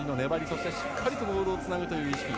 しっかりボールをつなぐという意識。